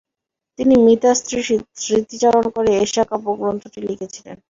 তিনি মৃতা স্ত্রীর স্মৃতিচারণ করে এষা কাব্যগ্রন্থটি লিখেছিলেন।